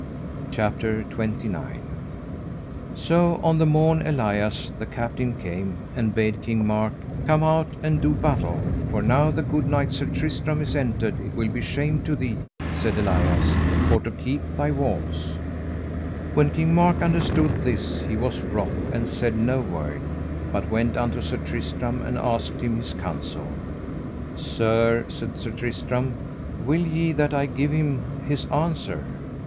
CHAPTER XXIX. How Sir Tristram overcame the battle, and how Elias desired a man to fight body for body. So on the morn Elias the captain came, and bade King Mark: Come out and do battle; for now the good knight Sir Tristram is entered it will be shame to thee, said Elias, for to keep thy walls. When King Mark understood this he was wroth and said no word, but went unto Sir Tristram and asked him his counsel. Sir, said Sir Tristram, will ye that I give him his answer?